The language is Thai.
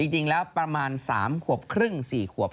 จริงแล้วประมาณ๓ขวบครึ่ง๔ขวบ